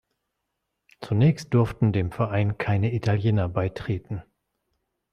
Zunächst durften dem Verein keine Italiener beitreten.